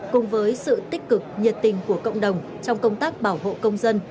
cùng với sự tích cực nhiệt tình của cộng đồng trong công tác bảo hộ công dân